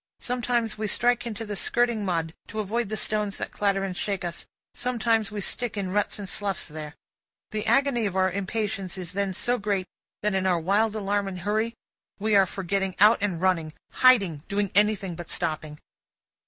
Sometimes, we strike into the skirting mud, to avoid the stones that clatter us and shake us; sometimes, we stick in ruts and sloughs there. The agony of our impatience is then so great, that in our wild alarm and hurry we are for getting out and running hiding doing anything but stopping.